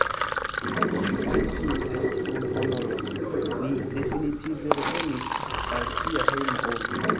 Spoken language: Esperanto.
Sukcesinte kun honoro, li definitive revenis al sia hejma urbo.